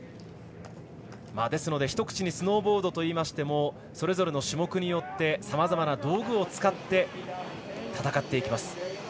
ですので、ひと口にスノーボードと言いましてもそれぞれの種目によってさまざまな道具を使って戦っていきます。